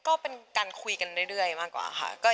ก็เป็นการคุยกันเรื่อยมากกว่าค่ะ